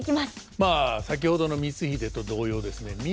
まあ先ほどの光秀と同様ですね